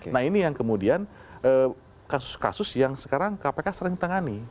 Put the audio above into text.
nah ini yang kemudian kasus kasus yang sekarang kpk sering tangani